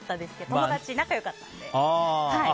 友達で仲良かったので。